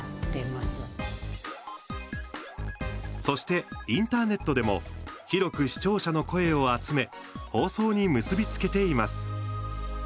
そして、インターネットでも広く視聴者の声を集め放送に結び付けています。